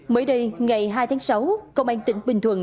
mới đây ngày hai tháng sáu công an tỉnh bình thuận